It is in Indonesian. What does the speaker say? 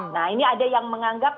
nah ini ada yang menganggap